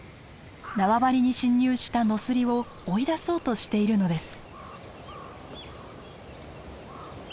縄張りに侵入したノスリを追い出そうとしているのです。